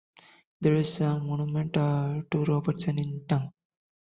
There is a monument to Robertson in Tongue.